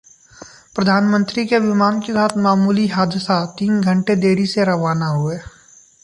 प्रधानमंत्री के विमान के साथ मामूली हादसा, तीन घंटे देरी से रवाना हुए